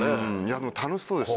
でも楽しそうでした。